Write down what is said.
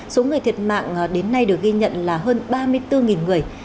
số người thiệt mạng đến nay được ghi nhận là hơn ba mươi bốn người